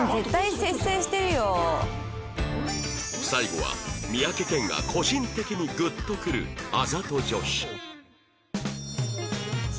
最後は三宅健が個人的にグッとくるあざと女子